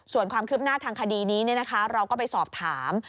ส่วนความคืบหน้าทางคดีนี้เราก็ไปสอบถาม